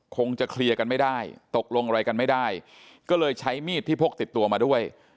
คงจะเคลียร์กันไม่ได้ตกลงอะไรกันไม่ได้ก็เลยใช้มีดที่พกติดตัวมาด้วย